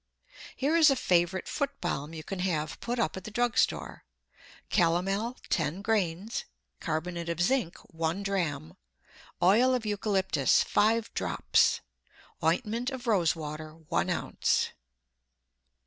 Here is a favorite foot balm you can have put up at the drug store: Calomel, ten grains; carbonate of zinc, one dram; oil of eucalyptus, five drops; ointment of rose water, one ounce.